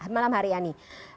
malam hari ani